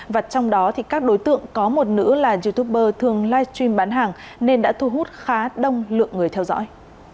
và trong đó thì các đối tượng có một nữ là youtuber thường live stream bán hàng nên đã thu hút khá đông lượng người theo dõi